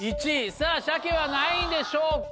さぁしゃけは何位でしょうか？